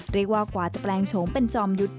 กว่าจะแปลงโฉมเป็นจอมยุทธ์